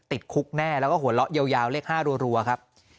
ติดคุกแน่แล้วก็หัวเราะยาวเลข๕รัวครับ